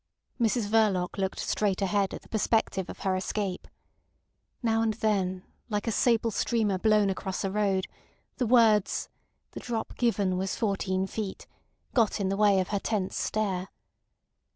Mrs Verloc looked straight ahead at the perspective of her escape. Now and then, like a sable streamer blown across a road, the words "The drop given was fourteen feet" got in the way of her tense stare.